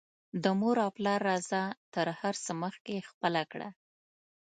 د مور او پلار رضاء تر هر څه مخکې خپله کړه